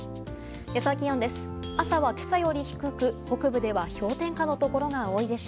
予想気温です。